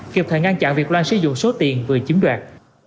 kịp thời ngăn chặn việc loan sử dụng số tiền vừa chiếm đoạt